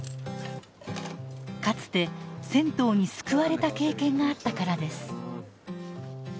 かつて銭湯に救われた経験があったからです。